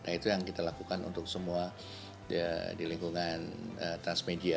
nah itu yang kita lakukan untuk semua di lingkungan transmedia